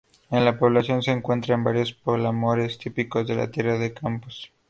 En la población se encuentran varios palomares, típicos de la Tierra de Campos.